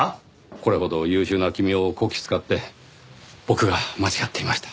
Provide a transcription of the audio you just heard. これほど優秀な君をこき使って僕が間違っていました。